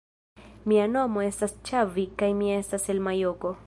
Mia nomo estas Ĉavi kaj mi estas el majoko